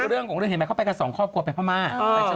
เรื่องของเรื่องเห็นไหมเขาไปกันสองครอบครัวไปพม่า